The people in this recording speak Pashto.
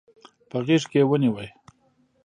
په غېږ کې يې ونيو.